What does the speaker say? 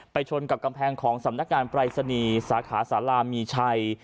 ชนกับกำแพงของสำนักงานปรายศนีย์สาขาสารามีชัย